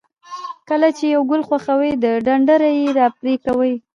کله چې یو ګل خوښوئ د ډنډره یې را پرې کوئ.